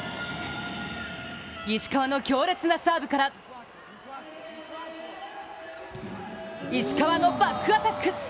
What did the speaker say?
石川の強烈なサーブから石川のバックアタック。